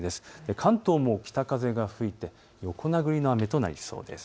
関東も北風が吹いて横殴りの雨となりそうです。